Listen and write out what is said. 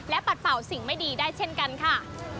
ปัดเป่าสิ่งไม่ดีได้เช่นกันค่ะ